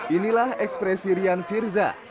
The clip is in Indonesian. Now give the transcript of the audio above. inilah ekspresi rian firza